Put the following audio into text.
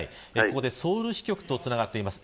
ここでソウル支局とつながっています。